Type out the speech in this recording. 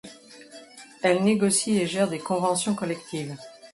Elle négocie et gère des conventions collectives.